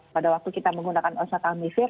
pada waktu kita menggunakan osatamivir